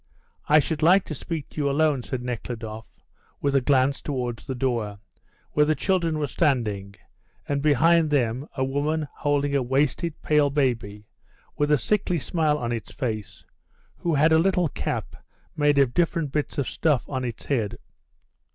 "I should like to speak to you alone," said Nekhludoff, with a glance towards the door, where the children were standing, and behind them a woman holding a wasted, pale baby, with a sickly smile on its face, who had a little cap made of different bits of stuff on its head.